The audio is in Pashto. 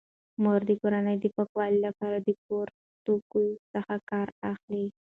مور د کورنۍ د پاکوالي لپاره د کورني توکو څخه کار اخلي.